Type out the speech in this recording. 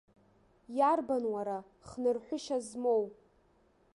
Иарбан, уара, хнырҳәышьа змоу?!